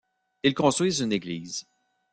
Ils construisent une église.